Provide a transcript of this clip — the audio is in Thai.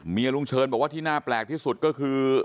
ลุงเชิญบอกว่าที่น่าแปลกที่สุดก็คือ